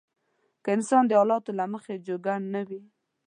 که انسان د حالاتو له مخې جوګه نه وي.